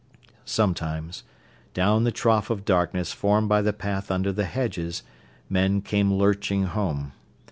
Sometimes, down the trough of darkness formed by the path under the hedges, men came lurching home.